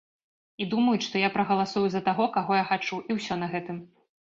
І думаюць, што я прагаласую за таго, каго я хачу, і ўсё на гэтым.